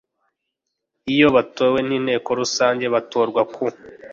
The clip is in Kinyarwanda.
imwe batowe n inteko rusange batorwa ku